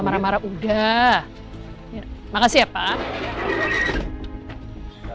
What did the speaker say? terima kasih ya pak